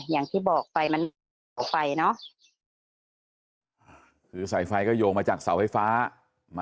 อย่างที่บอกไปมันเสาไฟเนอะคือใส่ไฟก็โยงมาจากเสาไฟฟ้า